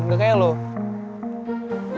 udah sekarang udah ya